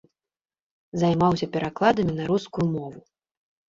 Займаўся перакладамі на рускую мову.